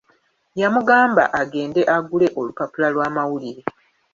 Yamugamba agende agule olupapula lw'amawulire.